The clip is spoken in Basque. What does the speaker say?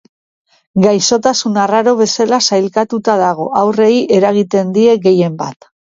Gaixotasun arraro bezala sailkatuta dago, haurrei eragiten die gehien bat.